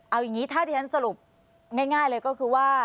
เอาอย่างนี้ถ้าที่ฉันสรุปง่ายเลยก็คือว่า